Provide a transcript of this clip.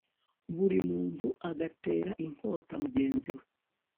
buri muntu agatera inkota mugenzi we